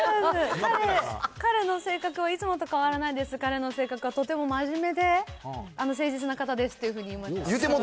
彼の性格はいつもと変わらないです、彼の性格はとても真面目で、誠実な方ですっていうふうに、今言いました。